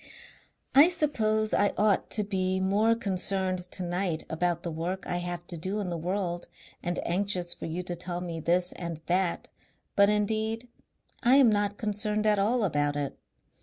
"I suppose I ought to be more concerned tonight about the work I have to do in the world and anxious for you to tell me this and that, but indeed I am not concerned at all about it.